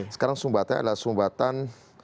sekarang sumbatan adalah sumbatan